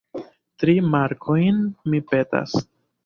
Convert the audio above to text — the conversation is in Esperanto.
Tri markojn, mi petas.